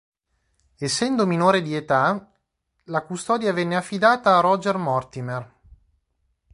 Essendo minore di età, la custodia venne affidata a Roger Mortimer.